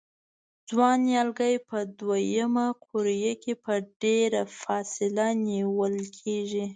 ځوان نیالګي په دوه یمه قوریه کې په ډېره فاصله نیالول کېږي.